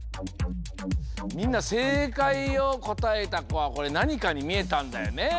みんなせいかいをこたえたこはこれなにかにみえたんだよね。